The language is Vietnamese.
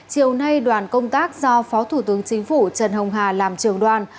chiều nay đoàn công tác do phó thủ tướng chính phủ trần hồng hà làm trường đoàn